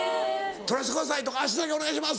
「撮らせてください」とか「足だけお願いします」